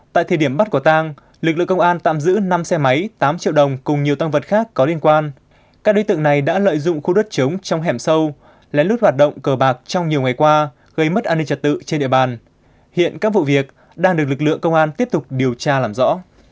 tại thời điểm bắt quả tang lực lượng công an tạm giữ năm xe máy tám triệu đồng cùng nhiều tăng vật khác có liên quan các đối tượng này đã lợi dụng khu đất chống trong hẻm sâu lén lút hoạt động cờ bạc trong nhiều ngày qua gây mất an ninh trật tự trên địa bàn hiện các vụ việc đang được lực lượng công an tiếp tục điều tra làm rõ